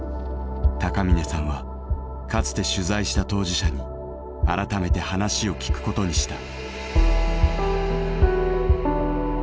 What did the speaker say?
高峰さんはかつて取材した当事者に改めて話を聞くことにした。